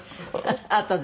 あとで。